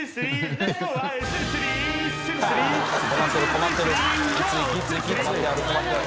困ってる困ってる。